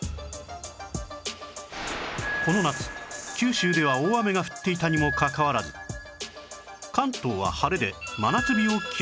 この夏九州では大雨が降っていたにもかかわらず関東は晴れで真夏日を記録